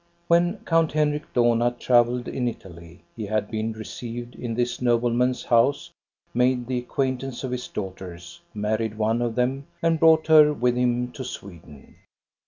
When Count Henrik Dohna travelled in Italy he had been re ceived in this nobleman's house, made the acquaint ance of his daughters, married one of them, and brought her with him to Sweden.